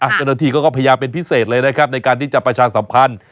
เจ้าหน้าที่ก็พยายามเป็นพิเศษเลยนะครับในการที่จะประชาสัมพันธ์